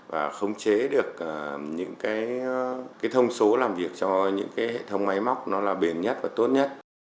và khống chế được những cái thông số làm việc cho những cái hệ thống máy móc nó là bền nhất và tốt nhất